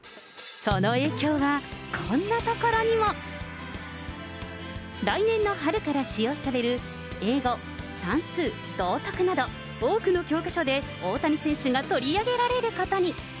その影響は、こんなところにも。来年の春から使用される英語、算数、道徳など多くの教科書で大谷選手が取り上げられることに。